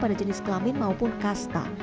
pada jenis kelamin maupun kasta